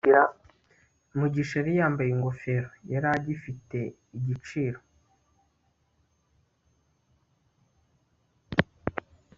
mugisha yari yambaye ingofero yari agifite igiciro